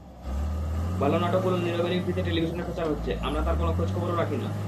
ভালো নাটকগুলো নীরবে-নিভৃতে টেলিভিশনে প্রচার হচ্ছে, আমরা তার কোনো খোঁজ-খবরও রাখি না।